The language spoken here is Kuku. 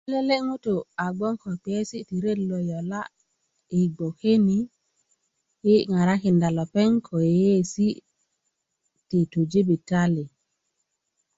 ko lele ŋutu a bgoŋ ko piyesi i kulya ti ret lo yola i bgoke ni yi ŋarakinda lepeŋ ko yeyiyesi ti tu jibitali